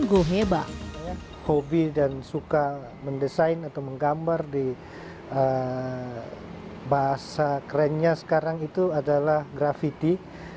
gue hebat hobi dan suka mendesain atau menggambar di bahasa kerennya sekarang itu adalah grafiti